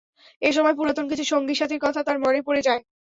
এ সময় পুরাতন কিছু সঙ্গী সাথির কথা তার মনে পড়ে যায়।